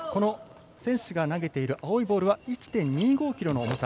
選手が投げている青いボールは１．２５ｋｇの重さ。